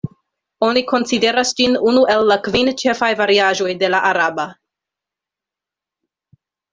Oni konsideras ĝin unu el la kvin ĉefaj variaĵoj de la araba.